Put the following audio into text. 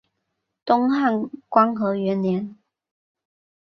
东汉光和元年。